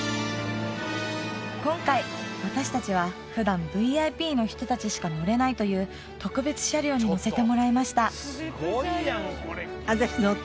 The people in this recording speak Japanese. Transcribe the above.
今回私達は普段ＶＩＰの人達しか乗れないという特別車両に乗せてもらいました・あっ